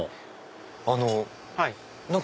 あの何か。